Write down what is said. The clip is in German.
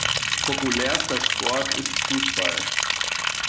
Populärster Sport ist Fußball.